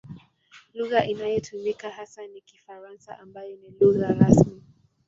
Lugha inayotumika hasa ni Kifaransa ambayo ni lugha rasmi.